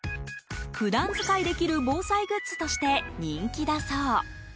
普段使いできる防災グッズとして人気だそう。